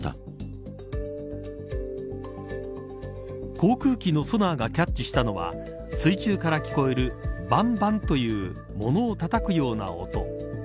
航空機のソナーがキャッチしたのは水中から聞こえるバンバンという物をたたくような音。